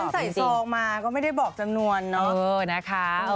แต่ท่านใส่ซอกมาก็ไม่ได้บอกจำนวนเนอะ